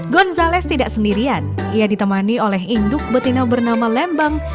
gonzales tidak sendirian ia ditemani oleh induk betina bernama lembang